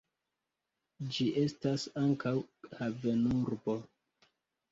Ĝi estas ankaŭ havenurbo.